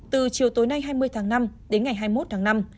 từ chiều tối nay hai mươi tháng năm đến ngày hai mươi một tháng năm